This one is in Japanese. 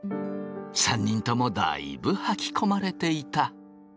３人ともだいぶはきこまれていた。